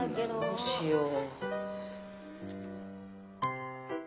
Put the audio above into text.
どうしよう。